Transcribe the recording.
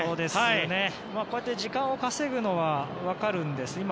こうやって時間を稼ぐのは分かるんです。